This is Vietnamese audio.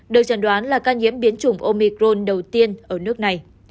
được chẩn đoán là ca nhiễm biến chủng omicron đầu tiên ở nước này